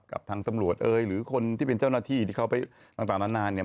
กับทางตำรวจเอ่ยหรือคนที่เป็นเจ้าหน้าที่ที่เขาไปต่างนานเนี่ย